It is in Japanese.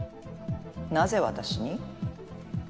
なぜ私に？